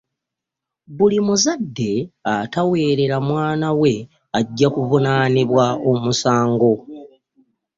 Buli muzadde atawerela mwanawe ajja kuvunaniibwa omusango.